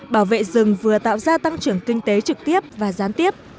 bảo vệ rừng vừa tạo ra tăng trưởng kinh tế trực tiếp và gián tiếp